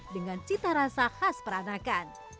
dengan cita rasa khas peranakan